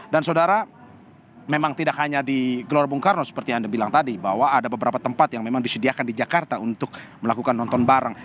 dan saudara memang tidak hanya di gelora bung karno seperti yang anda bilang tadi bahwa ada beberapa tempat yang memang disediakan di jakarta untuk melakukan nonton bareng